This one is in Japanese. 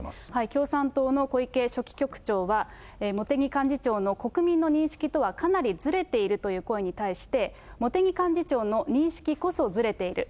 共産党の小池書記局長は、茂木幹事長の、国民の認識とはかなりずれているという声に対して、茂木幹事長の認識こそずれている。